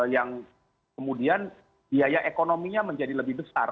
yang kemudian biaya ekonominya menjadi lebih besar